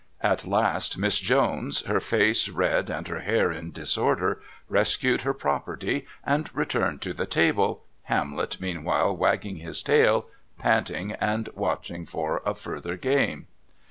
At last Miss Jones, her face red and her hair in disorder, rescued her property and returned to the table, Hamlet meanwhile wagging his tail, panting and watching for a further game.